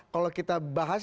kalau kita bahas